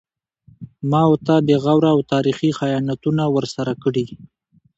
ما و تا بې غوره او تاریخي خیانتونه ورسره کړي